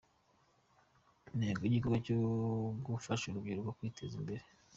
Intego y’igikorwa ni ugufasha urubyiruko kwiteza imbere.